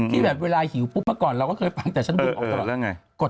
ที่เวลาเหยียวปุ๊บเมื่อก่อนเราก็เคยฝังแต่ฉันดูออกฉันออก